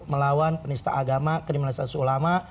melawan penista agama kriminalisasi ulama